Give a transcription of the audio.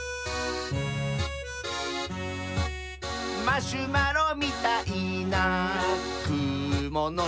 「マシュマロみたいなくものした」